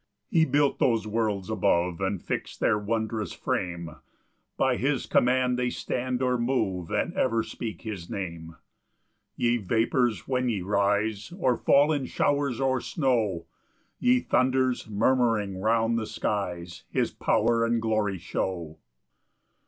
3 He built those worlds above, And fix'd their wondrous frame; By his command they stand or move, And ever speak his Name. 4 Ye vapours, when ye rise, Or fall in showers, or snow, Ye thunders, murmuring round the skies, His power and glory show.